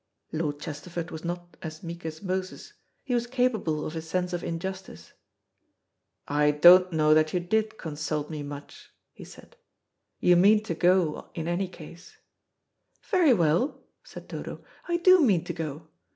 Lord Chesterford was not as meek as Moses. He was capable of a sense of injustice. "I don't know that you did consult me much," he said, "you mean to go in any case." "Very well," said Dodo, "I do mean to go.